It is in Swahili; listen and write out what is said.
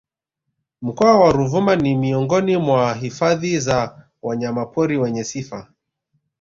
Mkoa wa Ruvuma ni Miongoni mwa hifadhi za Wanyama pori wenye sifa